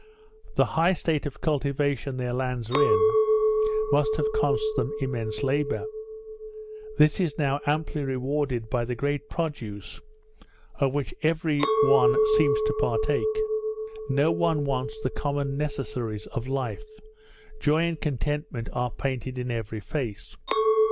The high state of cultivation their lands are in, must have cost them immense labour. This is now amply rewarded by the great produce, of which every one seems to partake. No one wants the common necessaries of life; joy and contentment are painted in every face.